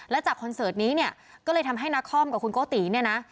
และจากคอนเสิร์ตนี้เนี่ยก็เลยทำให้นาคอมกับคุณโกติเนี่ยนะ